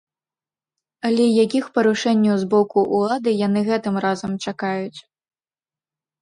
Але якіх парушэнняў з боку ўлады яны гэтым разам чакаюць?